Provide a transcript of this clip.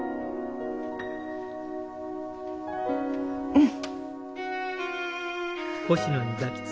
うん！